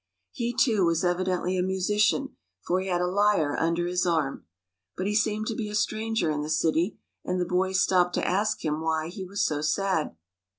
He, too, was evidently a. musician, for he had a lyre under his arm. But be seemed to be a stranger in the city, and the boys stopped to ask him why he was so sad.